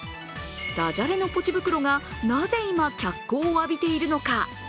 だじゃれのポチ袋が今なぜ脚光を浴びているのか。